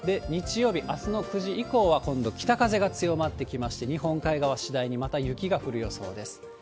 日曜日、あすの９時以降は今度北風が強まってきまして、日本海側、次第にまた雪が降る予想です。